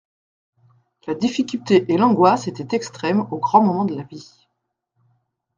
La difficulté et l'angoisse étaient extrêmes aux grands moments de la vie.